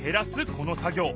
この作業。